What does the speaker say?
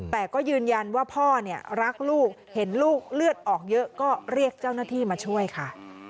แต่ก็ยืนยันว่าพ่อเนี่ยรักลูกเห็นลูกเลือดออกเยอะก็เรียกเจ้าหน้าที่มาช่วยค่ะ